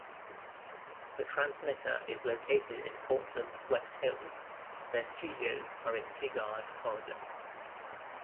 The transmitter is located in Portland's west hills; their studios are in Tigard, Oregon.